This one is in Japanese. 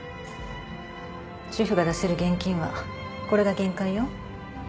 主婦が出せる現金はこれが限界よ。